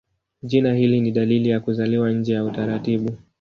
Jina hili ni dalili ya kuzaliwa nje ya utaratibu.